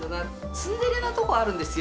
ツンデレなところがあるんですよ。